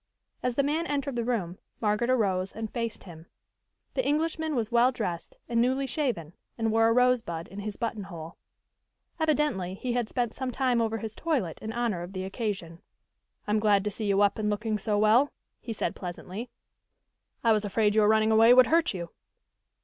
As the man entered the room, Margaret arose and faced him. The Englishman was well dressed, and newly shaven, and wore a rosebud in his buttonhole. Evidently, he had spent some time over his toilet in honor of the occasion. "I'm glad to see you up and looking so well," he said pleasantly. "I was afraid your running away would hurt you."